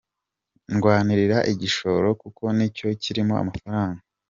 Ndwanira igishoro kuko nicyo kirimo amafaranga.